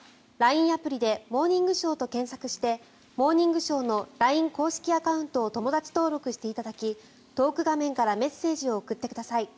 アプリで「モーニングショー」検索して「モーニングショー」のＬＩＮＥ公式アカウントを友だち登録していただきトーク画面からメッセージを送ってください。